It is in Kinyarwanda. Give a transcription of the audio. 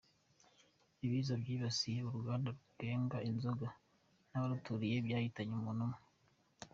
Ibiza byibasiye Uruganda Rwenga Inzoga n’abaruturiye byahitanye umuntu umwe